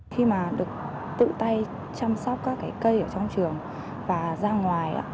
khi mà được tự tay chăm sóc các cái cây ở trong trường và ra ngoài